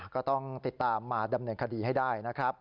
ก็ต้องติดตามมาดำเนินคดีให้ได้นะครับ